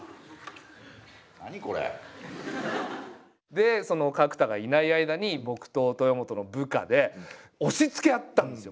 でその角田がいない間に僕と豊本の部下で押しつけ合ったんですよ。